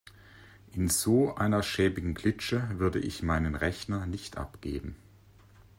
In so einer schäbigen Klitsche würde ich meinen Rechner nicht abgeben.